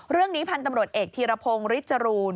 เรื่องนี้พันธุ์ตำรวจเอกธีรพงศ์ฤทธรูน